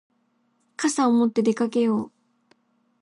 傘を持って出かけよう。